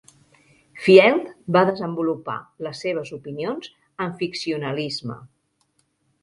Field va desenvolupar les seves opinions en ficcionalisme.